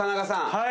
はい！